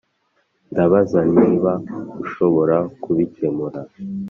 ndabaza niba ushobora kubikemura.